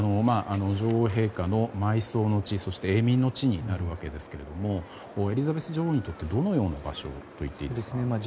女王陛下の埋葬の地そして、永眠の地になるわけですけれどもエリザベス女王にとってどのような場所ですか？